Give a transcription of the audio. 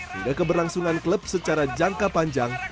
hingga keberlangsungan klub secara jangka panjang